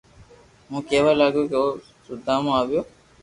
ھون ڪيوا لاگيو ڪو او سودام آويو